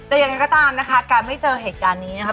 แต่ยังไงก็ตามนะคะการไม่เจอเหตุการณ์นี้นะครับ